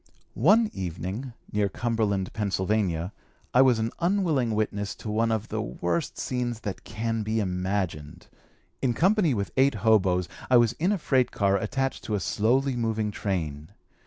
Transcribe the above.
One evening, near Cumberland, Pennsylvania, I was an unwilling witness of one of the worst scenes that can be imagined. In company with eight hoboes, I was in a freight car attached to a slowly moving train.